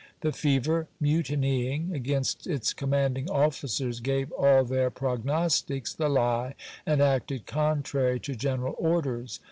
The fever, mutinying against its commanding officers, gave all their prognostics the lie, and acted contrary to general orders.